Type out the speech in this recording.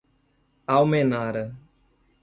Almenara